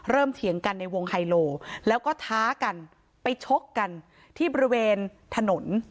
เถียงกันในวงไฮโลแล้วก็ท้ากันไปชกกันที่บริเวณถนน